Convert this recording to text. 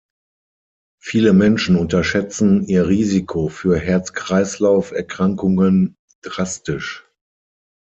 Viele Menschen unterschätzen ihr Risiko für Herz-Kreislauf-Erkrankungen drastisch.